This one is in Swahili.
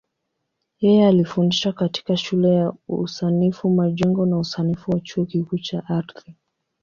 Yeye alifundisha katika Shule ya Usanifu Majengo na Usanifu wa Chuo Kikuu cha Ardhi.